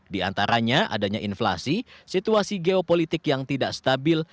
di antaranya adanya inflasi situasi geopolitik yang tidak stabil